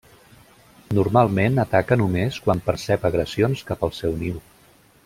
Normalment ataca només quan percep agressions cap al seu niu.